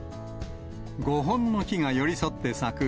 ５本の木が寄り添って咲く